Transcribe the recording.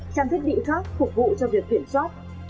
trang thiết bị khác phục vụ cho việc kiểm soát